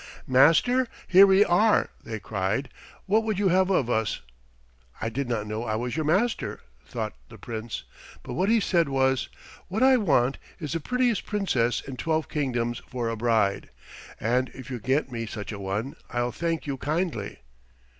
"Master, here we are!" they cried. "What would you have of us?" "I did not know I was your master," thought the Prince, but what he said was, "What I want is the prettiest Princess in twelve kingdoms for a bride, and if you can get me such a one I'll thank you kindly."